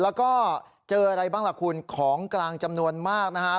แล้วก็เจออะไรบ้างล่ะคุณของกลางจำนวนมากนะฮะ